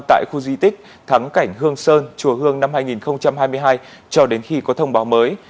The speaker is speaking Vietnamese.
tại khu di tích thắng cảnh hương sơn chùa hương năm hai nghìn hai mươi hai cho đến khi có thông báo mới